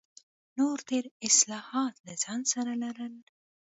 نور ډېر اصلاحات له ځان سره لرل.